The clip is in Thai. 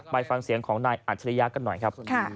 ไปฟังเสียงของนายอัจฉริยะกันหน่อยครับ